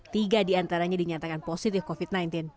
tiga diantaranya dinyatakan positif covid sembilan belas